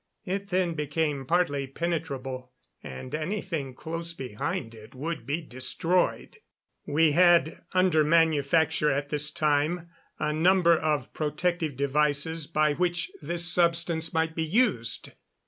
It then became partly penetrable, and anything close behind it would be destroyed. We had under manufacture at this time a number of protective devices by which this substance might be used.